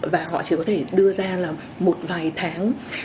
và họ chỉ có thể đưa ra là một vài tháng